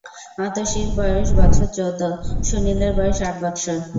অতসীর বয়স বছর চৌদ, সুনীলের বয়স আট বৎসর।